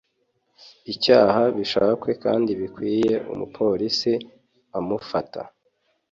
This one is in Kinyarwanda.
icyaha bishakwe kandi bibikwe umupolisi amufata